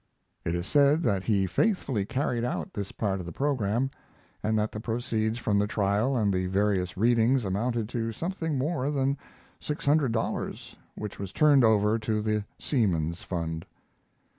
It is said that he faithfully carried out this part of the program, and that the proceeds from the trial and the various readings amounted to something more than six hundred dollars, which was turned over to the Seamen's Fund.